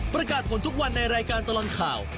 ประกาศผลทุกวันในรายการตลอดข่าว